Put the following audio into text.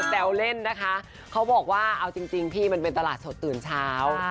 แววเล่นนะคะเขาบอกว่าเอาจริงพี่มันเป็นตลาดสดตื่นเช้า